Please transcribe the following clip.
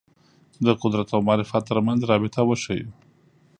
د قدرت او معرفت تر منځ رابطه وښييو